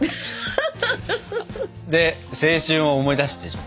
で青春を思い出すでしょ。